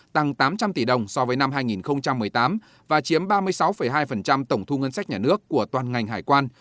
tăng tám trăm linh tỷ đồng so với năm hai nghìn một mươi tám và chiếm ba mươi sáu hai tổng thu ngân sách nhà nước của toàn ngành hải quan